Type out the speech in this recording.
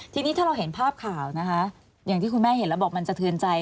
ทีนี้ถ้าเราเห็นภาพข่าวนะคะอย่างที่คุณแม่เห็นแล้วบอกมันสะเทือนใจ